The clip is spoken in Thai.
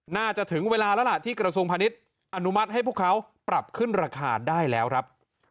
ถึงเวลาแล้วล่ะที่กระทรวงพาณิชย์อนุมัติให้พวกเขาปรับขึ้นราคาได้แล้วครับ